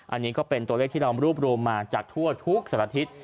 อันนี้ก็เป็นตัวเลขที่เรารวบรวมมาจากทั่วทุกสัตว์ทิศ